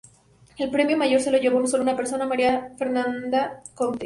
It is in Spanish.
El premio mayor se lo llevó solo una persona, María Fernanda Compte.